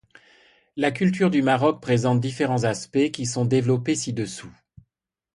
La culture du Maroc présente différents aspects, qui sont développés ci-dessous.